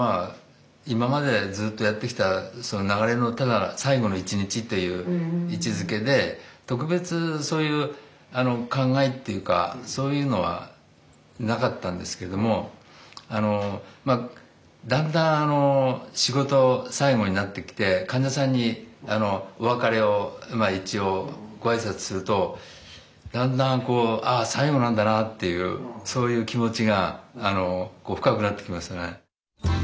今までずっとやってきたその流れのただ最後の１日という位置づけで特別そういう考えっていうかそういうのはなかったんですけれどもだんだん仕事最後になってきて患者さんにお別れを一応ご挨拶するとだんだん最後なんだなっていうそういう気持ちが深くなってきますね。